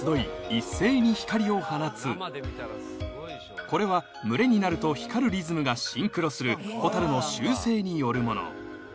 一斉に光を放つこれは群れになると光るリズムがシンクロするホタルの習性によるもの